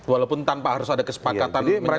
walaupun tanpa harus ada kesepakatan menyerang bersama